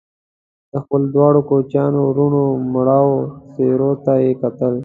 د خپلو دواړو کوچنيانو وروڼو مړاوو څېرو ته يې کتل